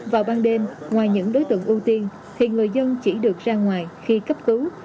vào ban đêm ngoài những đối tượng ưu tiên thì người dân chỉ được ra ngoài khi cấp cứu